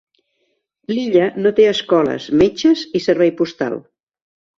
L'illa no té escoles, metges i servei postal.